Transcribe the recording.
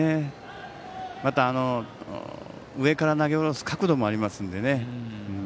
また、上から投げ下ろす角度もありますのでね。